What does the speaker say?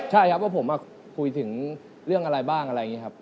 ใช่ครับว่าผมคุยถึงเรื่องอะไรบ้างอะไรอย่างนี้ครับ